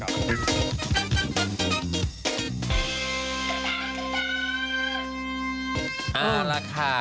เอาล่ะค่ะ